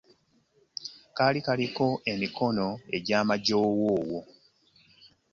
Kaali kaliko emikono egy'amajoowoowo.